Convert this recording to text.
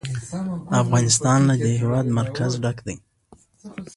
افغانستان له د هېواد مرکز ډک دی.